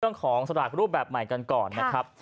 เรื่องของสลากรูปแบบใหม่กันก่อนนะครับ